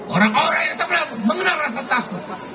orang orang yang terkenal pun mengenal rasa takut